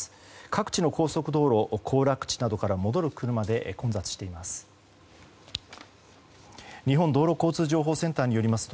各地の高速道路行楽地などから戻る車で混雑しています。